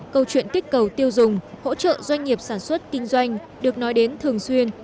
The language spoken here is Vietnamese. câu chuyện kích cầu tiêu dùng hỗ trợ doanh nghiệp sản xuất kinh doanh được nói đến thường xuyên